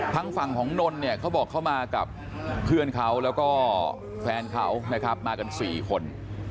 ทางฝั่งของนนท์เขาบอกเข้ามากับเพื่อนเขาแล้วก็แฟนเขามากันสี่คน